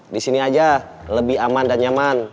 di sini aja lebih aman dan nyaman